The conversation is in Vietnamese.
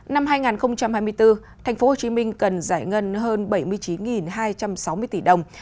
năm hai nghìn hai mươi bốn thành phố hồ chí minh cần giải ngân hơn bảy mươi chín hai trăm sáu mươi tỷ đồng